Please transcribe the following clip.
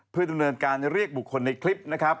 เพื่อดำเนินการเรียกบุคคลในคลิปนะครับ